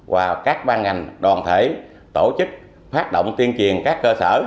và các ban ngành đoàn thể tổ chức phát động tuyên truyền các cơ sở